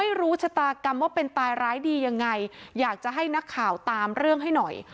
ไม่รู้ชะตากรรมว่าเป็นตายร้ายดียังไงอยากจะให้นักข่าวตามเรื่องให้หน่อย